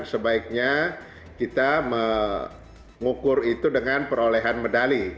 sebaiknya kita mengukur itu dengan perolehan medali